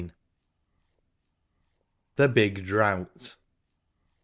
THE BIG DROUGHT.